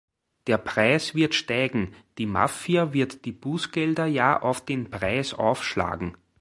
Der Preis wird steigen, die Mafia wird die Bußgelder ja auf den Preis aufschlagen.